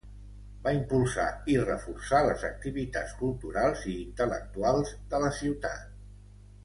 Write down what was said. Va impulsar i reforçar les activitats culturals i intel·lectuals de la ciutat.